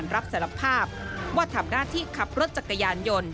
รับสารภาพว่าทำหน้าที่ขับรถจักรยานยนต์